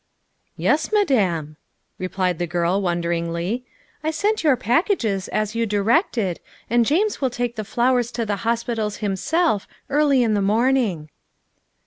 " Yes, Madame," replied the girl wonderingly. " I sent your packages as you directed, and James will take the flow r ers to the hospitals himself early in the morn ing."